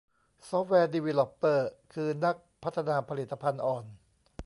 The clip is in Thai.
ซอฟต์แวร์ดีวีลอปเปอร์ คือ นักพัฒนาผลิตภัณฑ์อ่อน